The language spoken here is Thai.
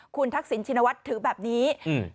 คุณทักษิณชินวัฒน์ถือแบบนี้อืม